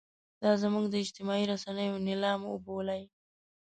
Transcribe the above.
دا زموږ د اجتماعي رسنیو نیلام وبولئ.